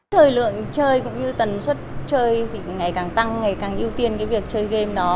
thời lượng chơi cũng như tần suất chơi thì ngày càng tăng ngày càng ưu tiên cái việc chơi game đó